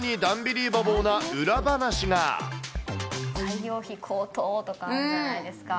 材料費高騰とかいうじゃないですか。